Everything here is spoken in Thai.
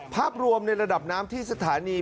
ภาพรวมในระดับน้ำที่สถานี